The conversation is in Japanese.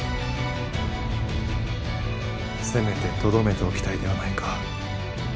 せめてとどめておきたいではないか。